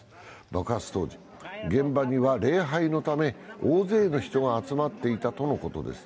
爆発当時、現場には礼拝のため大勢の人が集まっていたとのことです。